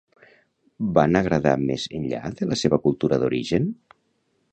Van agradar més enllà de la seva cultura d'origen?